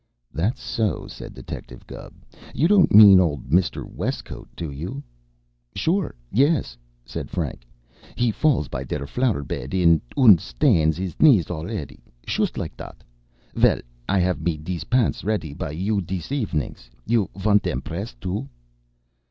"That so?" said Detective Gubb. "You don't mean old Mr. Westcote, do you?" "Sure, yes!" said Frank. "He falls by der flower bed in, und stains his knees alretty, shust like dot. Vell, I have me dese pants retty by you dis efenings. You vant dem pressed too?"